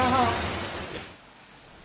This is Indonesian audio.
ini udah teratas kaha